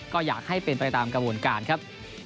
ก็อยากให้เป็นไปตามกระบวนการครับ